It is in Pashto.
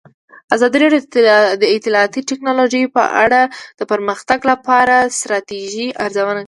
ازادي راډیو د اطلاعاتی تکنالوژي په اړه د پرمختګ لپاره د ستراتیژۍ ارزونه کړې.